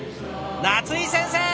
夏井先生！